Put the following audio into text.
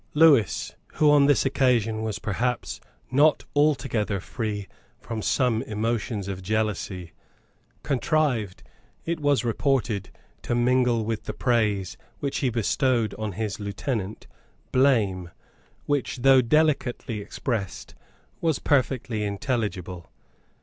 Lewis, who on this occasion was perhaps not altogether free from some emotions of jealousy, contrived, it was reported, to mingle with the praise which he bestowed on his lieutenant blame which, though delicately expressed, was perfectly intelligible.